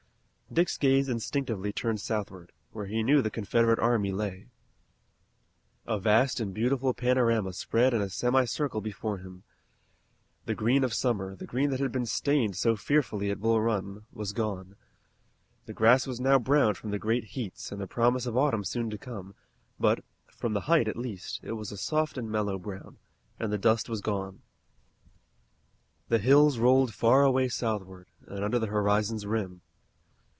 Dick's gaze instinctively turned southward, where he knew the Confederate army lay. A vast and beautiful panorama spread in a semi circle before him. The green of summer, the green that had been stained so fearfully at Bull Run, was gone. The grass was now brown from the great heats and the promise of autumn soon to come, but from the height at least it was a soft and mellow brown, and the dust was gone. The hills rolled far away southward, and under the horizon's rim.